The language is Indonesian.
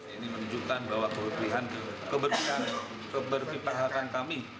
ini menunjukkan bahwa keberpipahakan kami